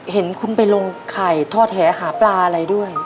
เห็นคุณไปลงไข่ทอดแหหาปลาอะไรด้วย